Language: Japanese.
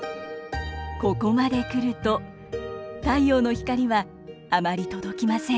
ここまで来ると太陽の光はあまり届きません。